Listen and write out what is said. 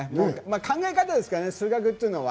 考え方ですからね、数学は。